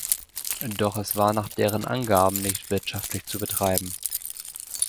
Doch es war nach deren Angaben nicht wirtschaftlich zu betreiben.